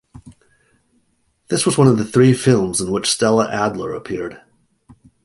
This was one of three films in which Stella Adler appeared.